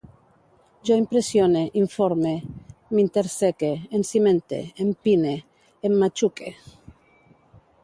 Jo impressione, informe, m'interseque, encimente, empine, emmatxuque